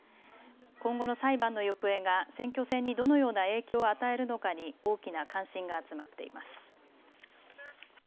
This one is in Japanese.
今後の裁判の行方が選挙戦にどのような影響を与えるのかに大きな関心が集まっています。